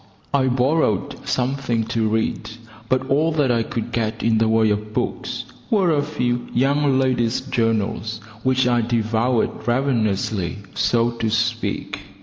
I borrowed something to read, but all that I could get in the way of books were a few Young Ladies' Journals, which I devoured ravenously, so to speak.